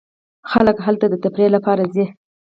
خلک هلته د تفریح لپاره ځي.